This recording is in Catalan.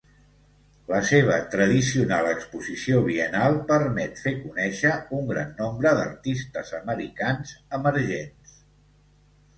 La seva tradicional exposició biennal permet fer conèixer un gran nombre d'artistes americans emergents.